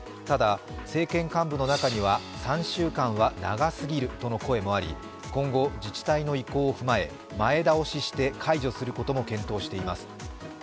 ただ政権幹部の中には３週間は長過ぎるとの声もあり今後、自治体の意向を踏まえ前倒しして解除することも検討しています。